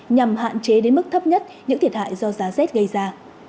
nhằm hạn chế đến mức thấp nhất những thiệt hại do giá rét gây ra